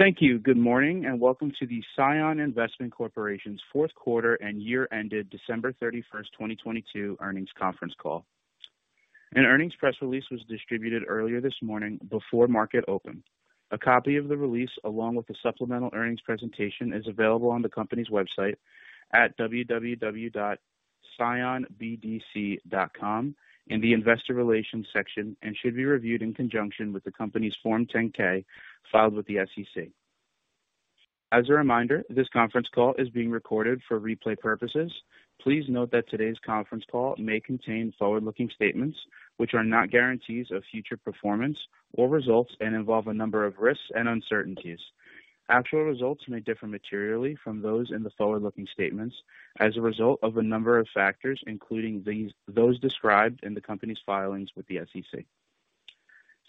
Thank you. Good morning, and welcome to the CION Investment Corporation's 4th quarter and year-ended December 31st, 2022 earnings conference call. An earnings press release was distributed earlier this morning before market open. A copy of the release, along with the supplemental earnings presentation, is available on the company's website at www.cionbdc.com in the Investor Relations section and should be reviewed in conjunction with the company's Form 10-K filed with the SEC. As a reminder, this conference call is being recorded for replay purposes. Please note that today's conference call may contain forward-looking statements, which are not guarantees of future performance or results and involve a number of risks and uncertainties. Actual results may differ materially from those in the forward-looking statements as a result of a number of factors, including those described in the company's filings with the SEC.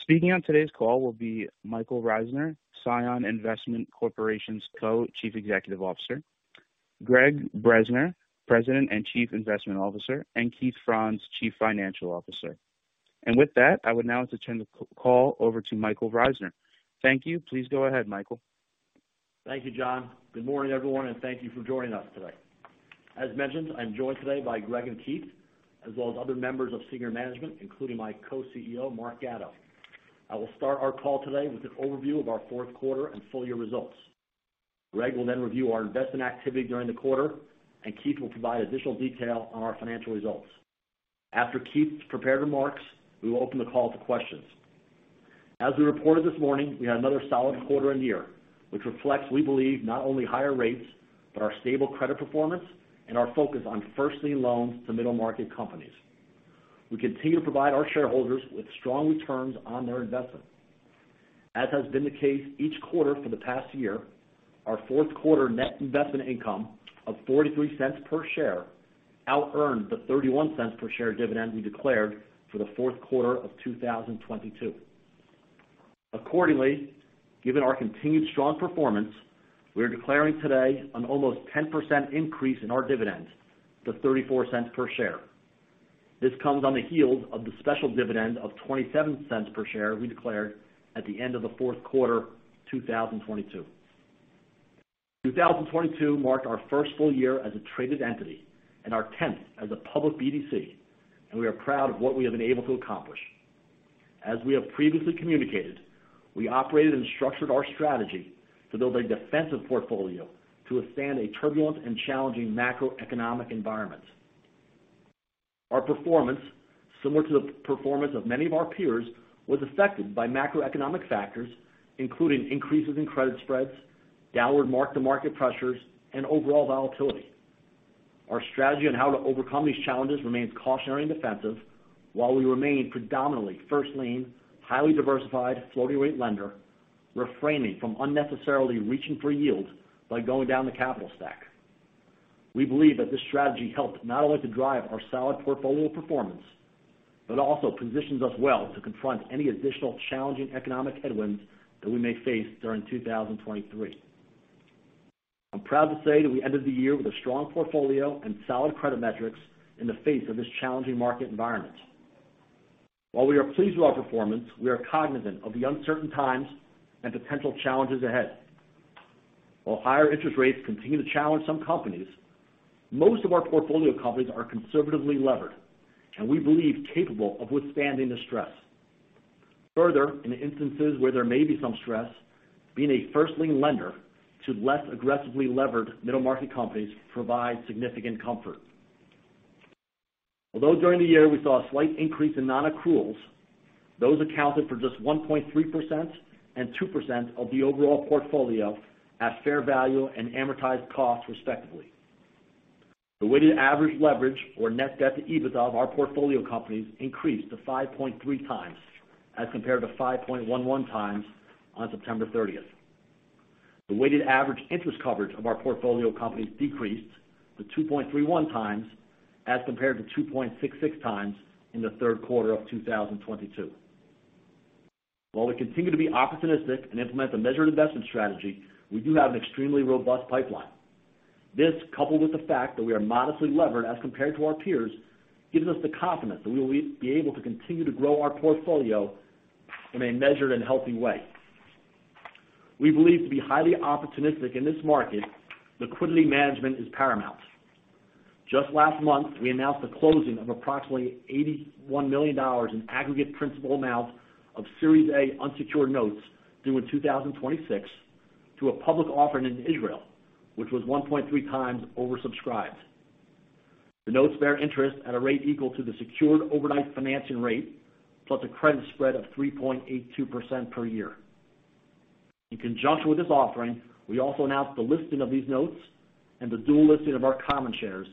Speaking on today's call will be Michael Reisner, CION Investment Corporation's Co-Chief Executive Officer, Gregg Bresner, President and Chief Investment Officer, and Keith Franz, Chief Financial Officer. With that, I would now to turn the call over to Michael Reisner. Thank you. Please go ahead, Michael. Thank you, John. Good morning, everyone, and thank you for joining us today. As mentioned, I'm joined today by Gregg and Keith, as well as other members of senior management, including my Co-CEO, Mark Gatto. I will start our call today with an overview of our fourth quarter and full year results. Gregg will then review our investment activity during the quarter, and Keith will provide additional detail on our financial results. After Keith's prepared remarks, we will open the call to questions. As we reported this morning, we had another solid quarter and year, which reflects, we believe, not only higher rates, but our stable credit performance and our focus on first lien loans to middle-market companies. We continue to provide our shareholders with strong returns on their investment. As has been the case each quarter for the past year, our fourth quarter net investment income of $0.43 per share outearned the $0.31 per share dividend we declared for the fourth quarter of 2022. Accordingly, given our continued strong performance, we are declaring today an almost 10% increase in our dividend to $0.34 per share. This comes on the heels of the special dividend of $0.27 per share we declared at the end of the fourth quarter 2022. 2022 marked our first full year as a traded entity and our 10th as a public BDC. We are proud of what we have been able to accomplish. As we have previously communicated, we operated and structured our strategy to build a defensive portfolio to withstand a turbulent and challenging macroeconomic environment. Our performance, similar to the performance of many of our peers, was affected by macroeconomic factors, including increases in credit spreads, downward mark-to-market pressures, and overall volatility. Our strategy on how to overcome these challenges remains cautionary and defensive while we remain predominantly first lien, highly diversified, floating rate lender, refraining from unnecessarily reaching for yield by going down the capital stack. We believe that this strategy helped not only to drive our solid portfolio performance, but also positions us well to confront any additional challenging economic headwinds that we may face during 2023. I'm proud to say that we ended the year with a strong portfolio and solid credit metrics in the face of this challenging market environment. While we are pleased with our performance, we are cognizant of the uncertain times and potential challenges ahead. While higher interest rates continue to challenge some companies, most of our portfolio companies are conservatively levered and we believe capable of withstanding the stress. In instances where there may be some stress, being a first lien lender to less aggressively levered middle market companies provide significant comfort. During the year we saw a slight increase in non-accruals, those accounted for just 1.3% and 2% of the overall portfolio at fair value and amortized costs, respectively. The weighted average leverage or net debt-to-EBITDA of our portfolio companies increased to 5.3x as compared to 5.11x on September 30th. The weighted average interest coverage of our portfolio companies decreased to 2.31x as compared to 2.66x in the third quarter of 2022. While we continue to be opportunistic and implement the measured investment strategy, we do have an extremely robust pipeline. This, coupled with the fact that we are modestly levered as compared to our peers, gives us the confidence that we will be able to continue to grow our portfolio in a measured and healthy way. We believe to be highly opportunistic in this market, liquidity management is paramount. Just last month, we announced the closing of approximately $81 million in aggregate principal amount of Series A Unsecured Notes due in 2026 to a public offering in Israel, which was 1.3 times oversubscribed. The notes bear interest at a rate equal to the Secured Overnight Financing Rate plus a credit spread of 3.82% per year. In conjunction with this offering, we also announced the listing of these notes and the dual listing of our common shares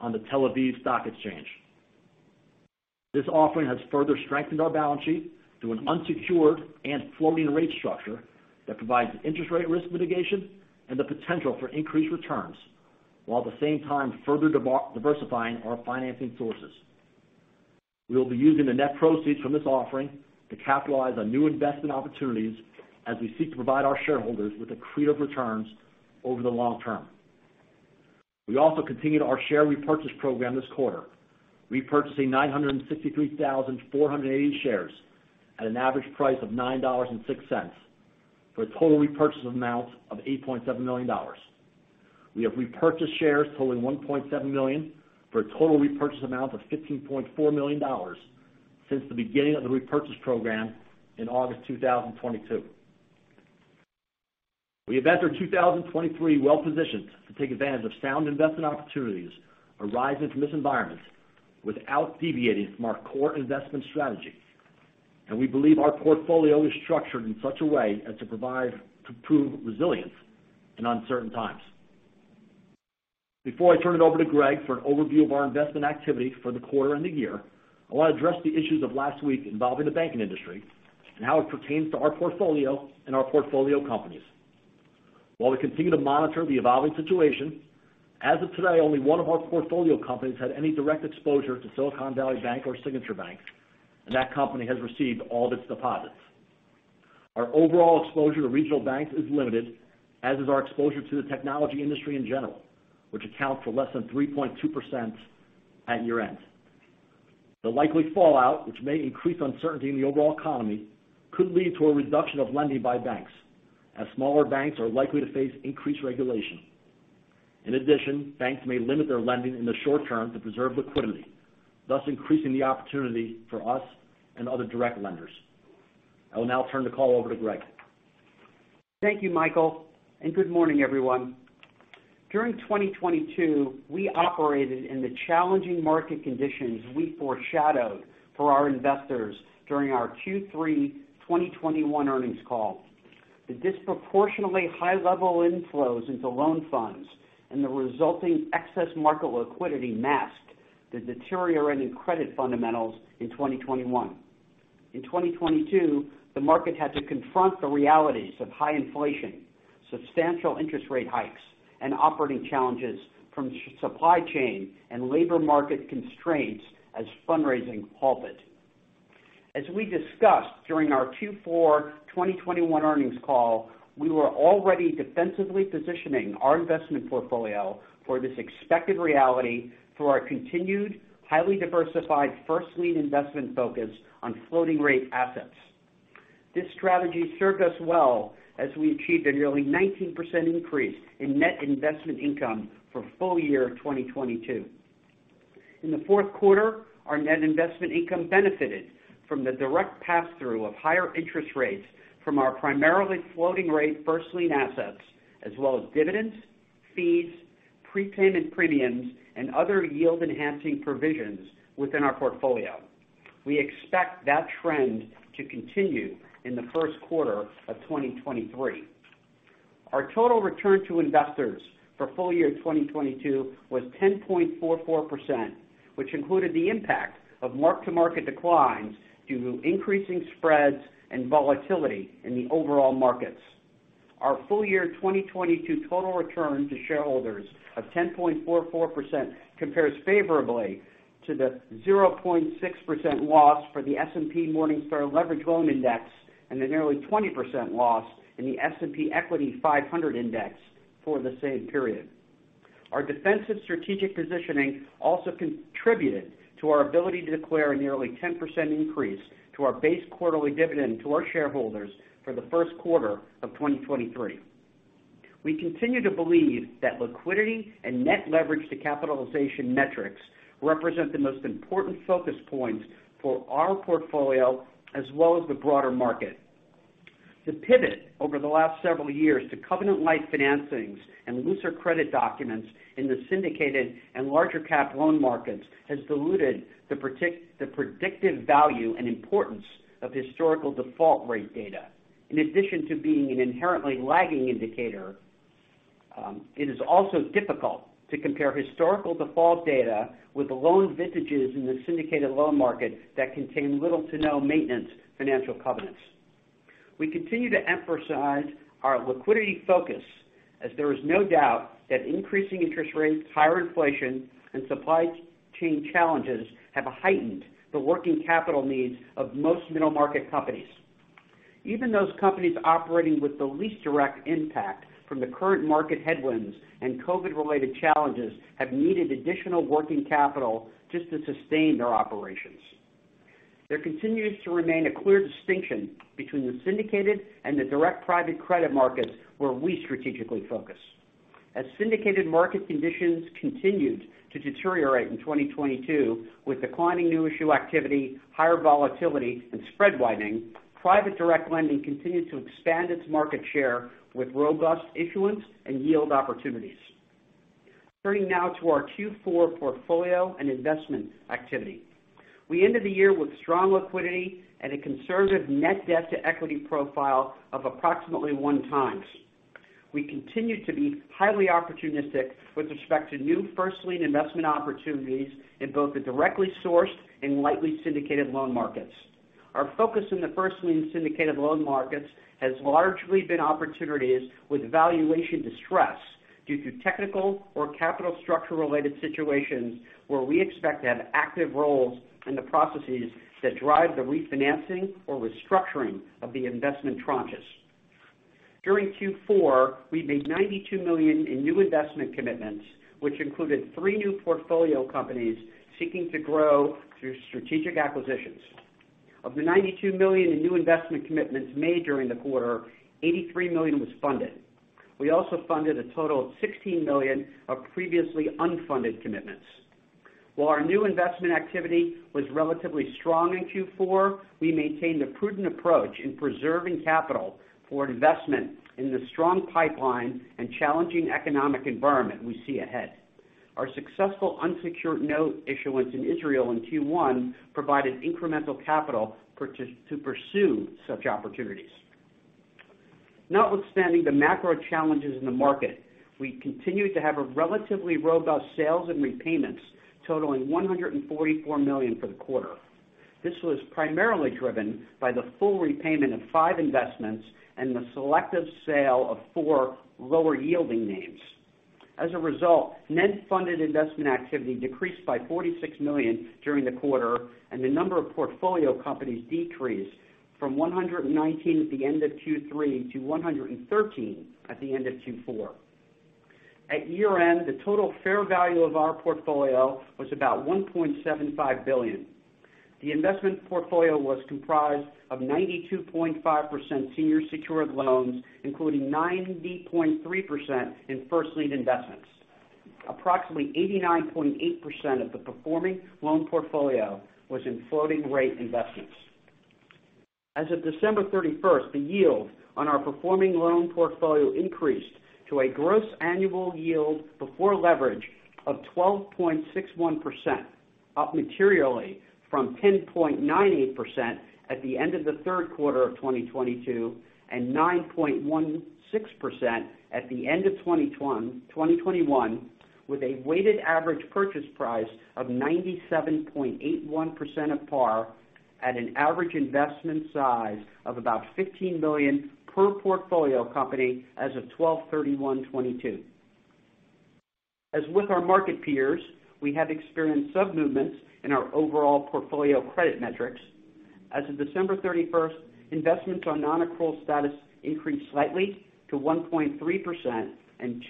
on the Tel Aviv Stock Exchange. This offering has further strengthened our balance sheet to an unsecured and floating rate structure that provides interest rate risk mitigation and the potential for increased returns, while at the same time further diversifying our financing sources. We will be using the net proceeds from this offering to capitalize on new investment opportunities as we seek to provide our shareholders with accretive returns over the long term. We also continued our share repurchase program this quarter, repurchasing 963,480 shares at an average price of $9.06 for a total repurchase amount of $8.7 million. We have repurchased shares totaling $1.7 million for a total repurchase amount of $15.4 million since the beginning of the repurchase program in August 2022. We enter 2023 well-positioned to take advantage of sound investment opportunities arising from this environment without deviating from our core investment strategy. We believe our portfolio is structured in such a way as to prove resilience in uncertain times. Before I turn it over to Gregg for an overview of our investment activity for the quarter and the year, I want to address the issues of last week involving the banking industry and how it pertains to our portfolio and our portfolio companies. While we continue to monitor the evolving situation, as of today, only one of our portfolio companies had any direct exposure to Silicon Valley Bank or Signature Bank, and that company has received all of its deposits. Our overall exposure to regional banks is limited, as is our exposure to the technology industry in general, which accounts for less than 3.2% at year-end. The likely fallout, which may increase uncertainty in the overall economy, could lead to a reduction of lending by banks, as smaller banks are likely to face increased regulation. In addition, banks may limit their lending in the short term to preserve liquidity, thus increasing the opportunity for us and other direct lenders. I will now turn the call over to Gregg. Thank you, Michael. Good morning, everyone. During 2022, we operated in the challenging market conditions we foreshadowed for our investors during our Q3 2021 earnings call. The disproportionately high level inflows into loan funds and the resulting excess market liquidity masked the deteriorating credit fundamentals in 2021. In 2022, the market had to confront the realities of high inflation, substantial interest rate hikes, and operating challenges from supply chain and labor market constraints as fundraising halted. As we discussed during our Q4 2021 earnings call, we were already defensively positioning our investment portfolio for this expected reality through our continued highly diversified first lien investment focus on floating rate assets. This strategy served us well as we achieved a nearly 19% increase in net investment income for full year 2022. In the fourth quarter, our net investment income benefited from the direct pass-through of higher interest rates from our primarily floating rate first lien assets as well as dividends, fees, prepayment premiums, and other yield-enhancing provisions within our portfolio. We expect that trend to continue in the first quarter of 2023. Our total return to investors for full year 2022 was 10.44%, which included the impact of mark-to-market declines due to increasing spreads and volatility in the overall markets. Our full year 2022 total return to shareholders of 10.44% compares favorably to the 0.6% loss for the S&P Morningstar Leveraged Loan Index and the nearly 20% loss in the S&P 500 Index for the same period. Our defensive strategic positioning also contributed to our ability to declare a nearly 10% increase to our base quarterly dividend to our shareholders for the first quarter of 2023. We continue to believe that liquidity and net leverage to capitalization metrics represent the most important focus points for our portfolio as well as the broader market. The pivot over the last several years to covenant-lite financings and looser credit documents in the syndicated and larger cap loan markets has diluted the predictive value and importance of historical default rate data. In addition to being an inherently lagging indicator, it is also difficult to compare historical default data with loan vintages in the syndicated loan market that contain little to no maintenance financial covenants. We continue to emphasize our liquidity focus as there is no doubt that increasing interest rates, higher inflation, and supply chain challenges have heightened the working capital needs of most middle market companies. Even those companies operating with the least direct impact from the current market headwinds and COVID-related challenges have needed additional working capital just to sustain their operations. There continues to remain a clear distinction between the syndicated and the direct private credit markets where we strategically focus. As syndicated market conditions continued to deteriorate in 2022 with declining new issue activity, higher volatility, and spread widening, private direct lending continued to expand its market share with robust issuance and yield opportunities. Turning now to our Q4 portfolio and investment activity. We ended the year with strong liquidity and a conservative net debt-to-equity profile of approximately 1 times. We continue to be highly opportunistic with respect to new first lien investment opportunities in both the directly sourced and lightly syndicated loan markets. Our focus in the first lien syndicated loan markets has largely been opportunities with valuation distress due to technical or capital structure related situations where we expect to have active roles in the processes that drive the refinancing or restructuring of the investment tranches. During Q4, we made $92 million in new investment commitments, which included three new portfolio companies seeking to grow through strategic acquisitions. Of the $92 million in new investment commitments made during the quarter, $83 million was funded. We also funded a total of $16 million of previously unfunded commitments. While our new investment activity was relatively strong in Q4, we maintained a prudent approach in preserving capital for investment in the strong pipeline and challenging economic environment we see ahead. Our successful unsecured note issuance in Israel in Q1 provided incremental capital to pursue such opportunities. Notwithstanding the macro challenges in the market, we continued to have a relatively robust sales and repayments totaling $144 million for the quarter. This was primarily driven by the full repayment of five investments and the selective sale of four lower-yielding names. As a result, net funded investment activity decreased by $46 million during the quarter, and the number of portfolio companies decreased from 119 at the end of Q3 to 113 at the end of Q4. At year-end, the total fair value of our portfolio was about $1.75 billion. The investment portfolio was comprised of 92.5% senior secured loans, including 90.3% in first lien investments. Approximately 89.8% of the performing loan portfolio was in floating rate investments. As of December 31, the yield on our performing loan portfolio increased to a gross annual yield before leverage of 12.61%, up materially from 10.98% at the end of the third quarter of 2022, and 9.16% at the end of 2021, with a weighted average purchase price of 97.81% of par at an average investment size of about $15 million per portfolio company as of 12/31/2022. As with our market peers, we have experienced submovements in our overall portfolio credit metrics. As of December 31st, investments on non-accrual status increased slightly to 1.3% and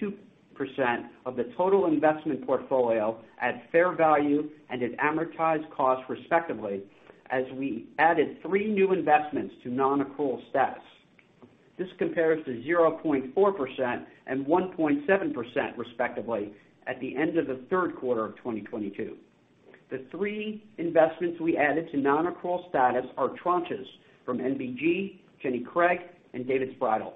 2% of the total investment portfolio at fair value and at amortized cost, respectively, as we added three new investments to non-accrual status. This compares to 0.4% and 1.7% respectively at the end of the third quarter of 2022. The three investments we added to non-accrual status are tranches from NBG, Jenny Craig and David's Bridal.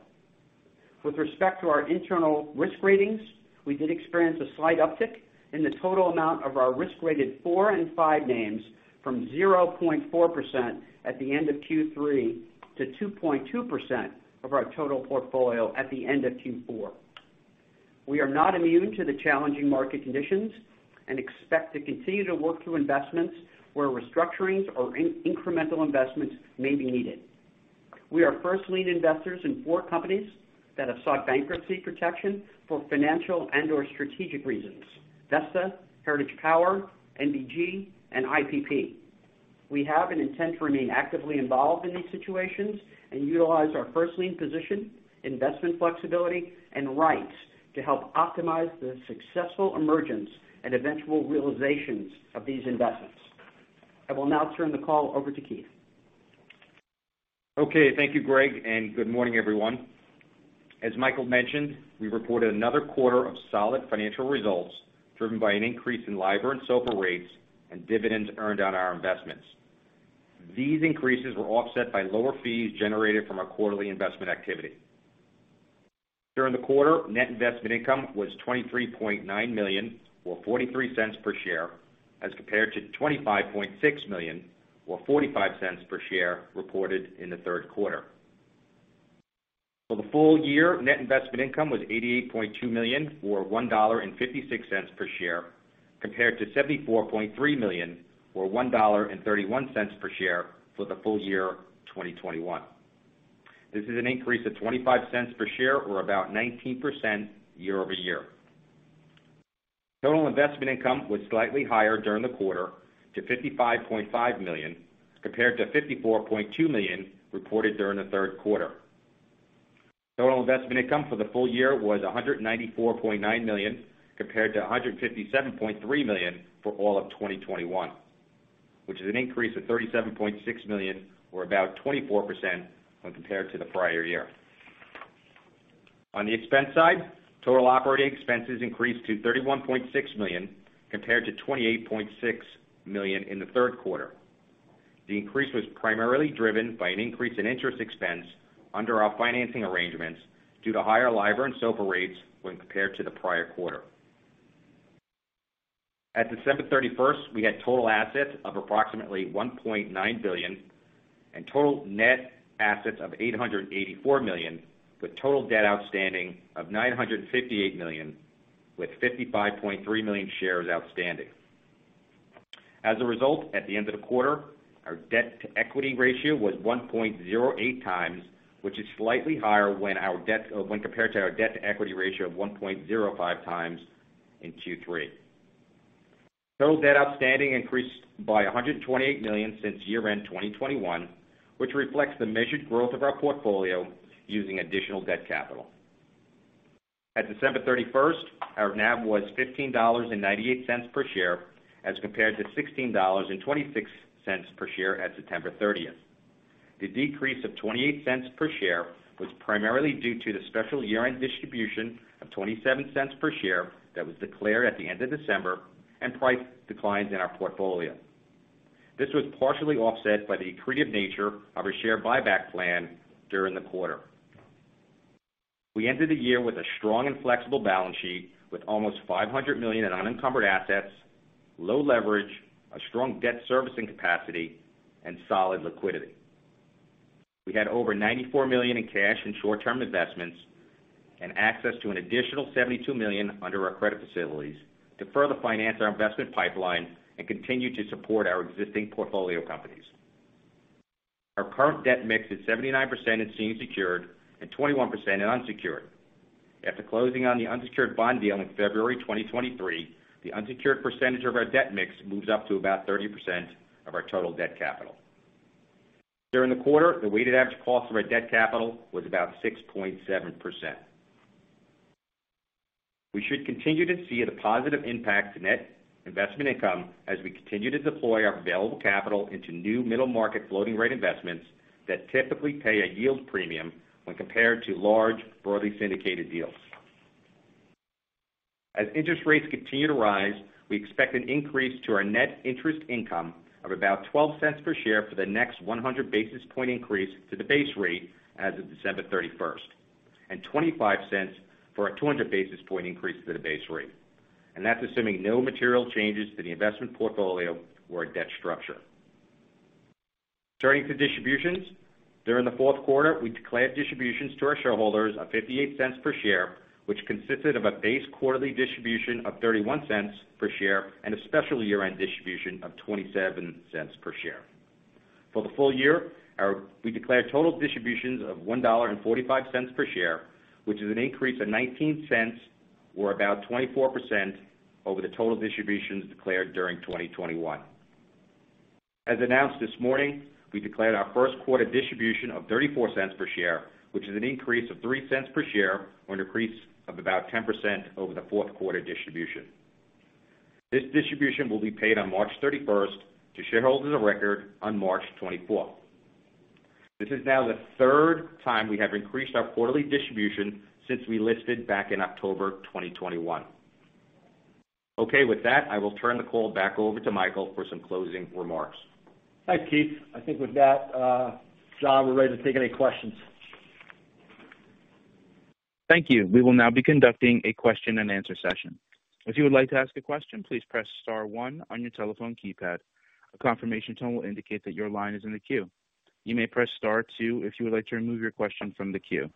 With respect to our internal risk ratings, we did experience a slight uptick in the total amount of our risk-rated four and five names from 0.4% at the end of Q3 to 2.2% of our total portfolio at the end of Q4. We are not immune to the challenging market conditions and expect to continue to work through investments where restructurings or incremental investments may be needed. We are first lien investors in four companies that have sought bankruptcy protection for financial and/or strategic reasons: Vesta, Heritage Power, NBG and IPP. We have an intent to remain actively involved in these situations and utilize our first lien position, investment flexibility, and rights to help optimize the successful emergence and eventual realizations of these investments. I will now turn the call over to Keith. Okay. Thank you, Gregg, and good morning, everyone. As Michael mentioned, we reported another quarter of solid financial results driven by an increase in LIBOR and SOFR rates and dividends earned on our investments. These increases were offset by lower fees generated from our quarterly investment activity. During the quarter, net investment income was $23.9 million or $0.43 per share as compared to $25.6 million or $0.45 per share reported in the third quarter. For the full year, net investment income was $88.2 million or $1.56 per share compared to $74.3 million or $1.31 per share for the full year 2021. This is an increase of $0.25 per share or about 19% year-over-year. Total investment income was slightly higher during the quarter to $55.5 million compared to $54.2 million reported during the third quarter. Total investment income for the full year was $194.9 million compared to $157.3 million for all of 2021, which is an increase of $37.6 million or about 24% when compared to the prior year. On the expense side, total operating expenses increased to $31.6 million compared to $28.6 million in the third quarter. The increase was primarily driven by an increase in interest expense under our financing arrangements due to higher LIBOR and SOFR rates when compared to the prior quarter. At December 31st, we had total assets of approximately $1.9 billion and total net assets of $884 million, with total debt outstanding of $958 million with 55.3 million shares outstanding. As a result, at the end of the quarter, our debt-to-equity ratio was 1.08 times, which is slightly higher when our debt, when compared to our debt-to-equity ratio of 1.05 times in Q3. Total debt outstanding increased by $128 million since year-end 2021, which reflects the measured growth of our portfolio using additional debt capital. At December 31st, our NAV was $15.98 per share as compared to $16.26 per share at September 30th. The decrease of $0.28 per share was primarily due to the special year-end distribution of $0.27 per share that was declared at the end of December and price declines in our portfolio. This was partially offset by the accretive nature of our share buyback plan during the quarter. We ended the year with a strong and flexible balance sheet with almost $500 million in unencumbered assets, low leverage, a strong debt servicing capacity, and solid liquidity. We had over $94 million in cash and short-term investments and access to an additional $72 million under our credit facilities to further finance our investment pipeline and continue to support our existing portfolio companies. Our current debt mix is 79% in senior secured and 21% in unsecured. After closing on the unsecured bond deal in February 2023, the unsecured percentage of our debt mix moves up to about 30% of our total debt capital. During the quarter, the weighted average cost of our debt capital was about 6.7%. We should continue to see the positive impact to net investment income as we continue to deploy our available capital into new middle market floating rate investments that typically pay a yield premium when compared to large, broadly syndicated deals. As interest rates continue to rise, we expect an increase to our net interest income of about $0.12 per share for the next 100 basis point increase to the base rate as of December 31st, and $0.25 for a 200 basis point increase to the base rate. That's assuming no material changes to the investment portfolio or debt structure. Turning to distributions. During the fourth quarter, we declared distributions to our shareholders of $0.58 per share, which consisted of a base quarterly distribution of $0.31 per share and a special year-end distribution of $0.27 per share. For the full year, we declared total distributions of $1.45 per share, which is an increase of $0.19, or about 24%, over the total distributions declared during 2021. As announced this morning, we declared our first quarter distribution of $0.34 per share, which is an increase of $0.03 per share or an increase of about 10% over the fourth quarter distribution. This distribution will be paid on March 31st to shareholders of record on March 24. This is now the third time we have increased our quarterly distribution since we listed back in October 2021. Okay, with that, I will turn the call back over to Michael for some closing remarks. Thanks, Keith. I think with that, John, we're ready to take any questions. Thank you. We will now be conducting a question-and-answer session. If you would like to ask a question, please press star one on your telephone keypad. A confirmation tone will indicate that your line is in the queue. You may press star two if you would like to remove your question from the queue.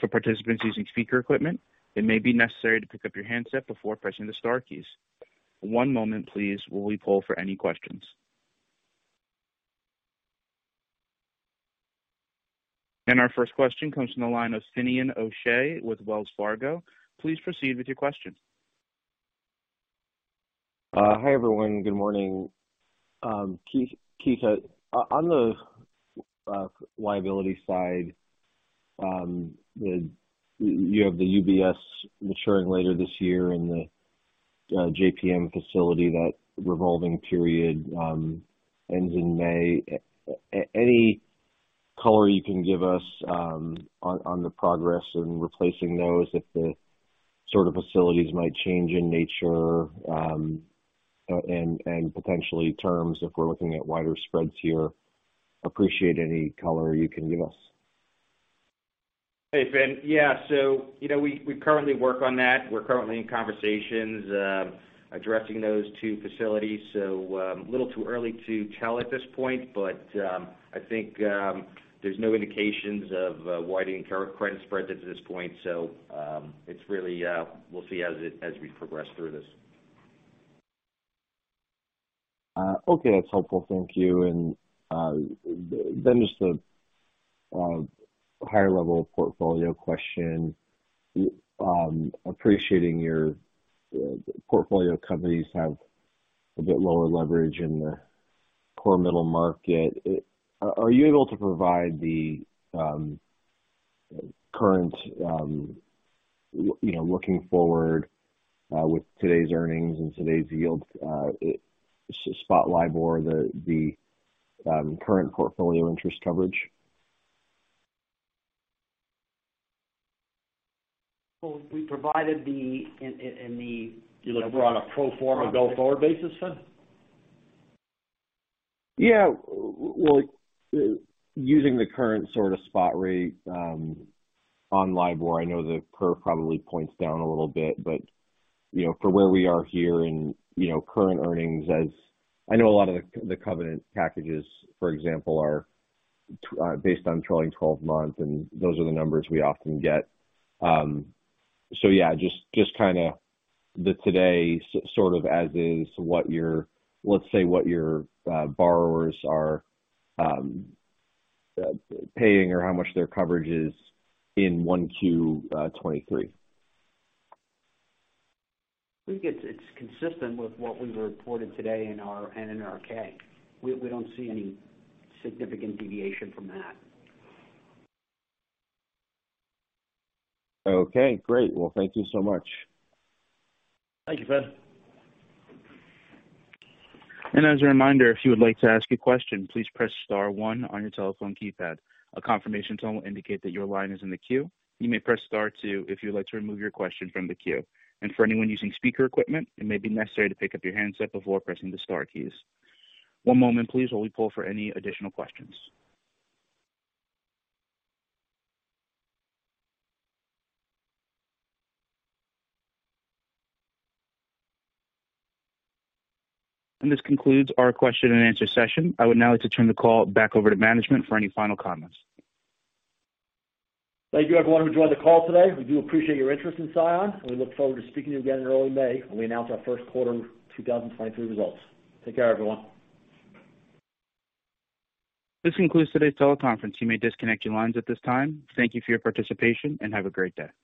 For participants using speaker equipment, it may be necessary to pick up your handset before pressing the star keys. One moment please while we poll for any questions. Our first question comes from the line of Finian O'Shea with Wells Fargo. Please proceed with your question. Hi, everyone. Good morning. Keith, on the liability side, you have the UBS maturing later this year and the JPM facility, that revolving period, ends in May. Any color you can give us on the progress in replacing those if the sort of facilities might change in nature, and potentially terms if we're looking at wider spreads here. Appreciate any color you can give us. Hey, Fin. Yeah. You know, we currently work on that. We're currently in conversations, addressing those two facilities. A little too early to tell at this point, but I think there's no indications of widening credit spreads at this point. It's really, we'll see as we progress through this. Okay. That's helpful. Thank you. Then just a higher level portfolio question. Appreciating your portfolio companies have a bit lower leverage in the core middle market. Are you able to provide the current, you know, looking forward, with today's earnings and today's yields, spot LIBOR, the current portfolio interest coverage? Well, we provided the. You look we're on a pro forma go forward basis, Fin? Yeah. Well, using the current sort of spot rate on LIBOR, I know the curve probably points down a little bit, you know, for where we are here and, you know, current earnings as I know a lot of the covenant packages, for example, are based on trailing 12 months, those are the numbers we often get. Yeah, just kinda the today sort of as is let's say what your borrowers are paying or how much their coverage is in 1Q 2023. I think it's consistent with what we reported today in our and in our K. We don't see any significant deviation from that. Okay, great. Well, thank you so much. Thank you, Fin. As a reminder, if you would like to ask a question, please press star one on your telephone keypad. A confirmation tone will indicate that your line is in the queue. You may press star two if you would like to remove your question from the queue. For anyone using speaker equipment, it may be necessary to pick up your handset before pressing the star keys. One moment please while we poll for any additional questions. This concludes our question-and-answer session. I would now like to turn the call back over to management for any final comments. Thank you everyone who joined the call today. We do appreciate your interest in CION, and we look forward to speaking to you again in early May when we announce our first quarter of 2023 results. Take care everyone. This concludes today's teleconference. You may disconnect your lines at this time. Thank you for your participation, and have a great day.